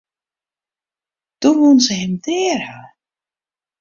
Doe woenen se him dêr ha.